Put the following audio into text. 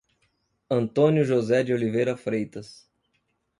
Antônio José de Oliveira Freitas